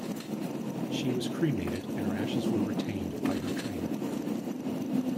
She was cremated and her ashes were retained by her trainer.